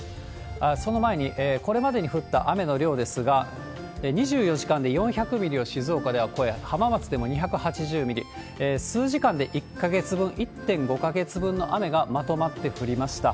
その前に、これまでに降った雨の量ですが、２４時間で４００ミリを静岡では超え、浜松でも２８０ミリ、数時間で１か月分、１．５か月分の雨がまとまって降りました。